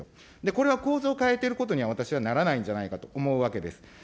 これは構造を変えてることには、私はならないんじゃないかと思うわけです。